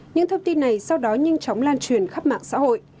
những thông tin này sau đó nhanh chóng lan truyền khắp mạng xã hội